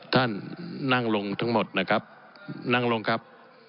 ท่านนั่งลงทั้งหมดนะครับนั่งลงครับ